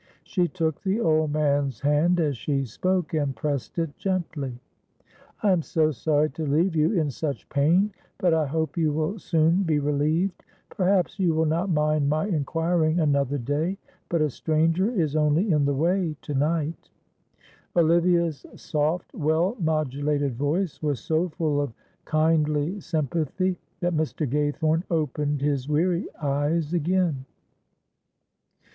She took the old man's hand as she spoke and pressed it gently. "I am so sorry to leave you in such pain, but I hope you will soon be relieved. Perhaps you will not mind my inquiring another day, but a stranger is only in the way to night." Olivia's soft, well modulated voice was so full of kindly sympathy, that Mr. Gaythorne opened his weary eyes again.